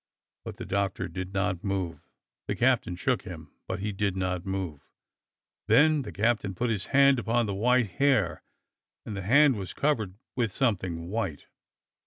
But the Doctor did not move. The captain shook him, but he did not move. Then the captain put his hand upon the white hair and the hand was covered with some thing white.